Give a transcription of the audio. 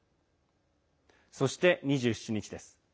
そして、２７日です。